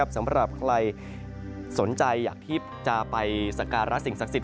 สำหรับใครสนใจอยากที่จะไปสการะสิ่งศักดิ์สิท